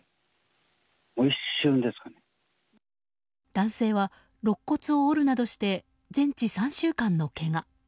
男性はろっ骨を折るなどして全治３週間のけが。